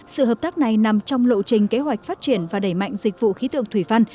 sự hợp tác này nằm trong lộ trình kế hoạch phát triển và đẩy mạnh dịch vụ khí tượng thủy văn